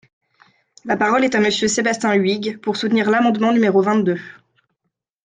La parole est à Monsieur Sébastien Huyghe, pour soutenir l’amendement numéro vingt-deux.